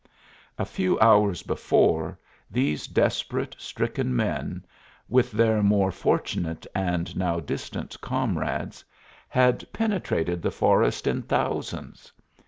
A few hours before, these desperate, stricken men, with their more fortunate and now distant comrades, had penetrated the forest in thousands.